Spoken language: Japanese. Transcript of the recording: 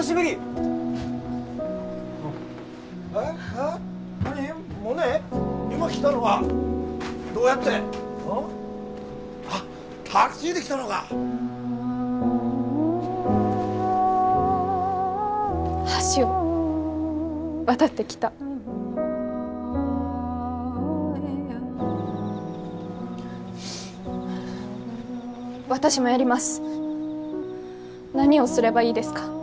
何をすればいいですか？